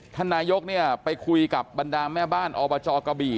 ท่านนายกไปคุยกับบรรดาแม่บ้านอบจกะบี่